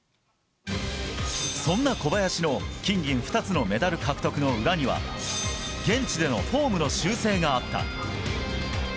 そんな小林の、金銀２つのメダル獲得の裏には、現地でのフォームの修正があった。